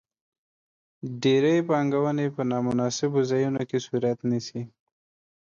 ډېرې پانګونې په نا مناسبو ځایونو کې صورت نیسي.